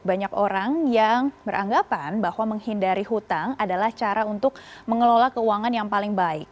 banyak orang yang beranggapan bahwa menghindari hutang adalah cara untuk mengelola keuangan yang paling baik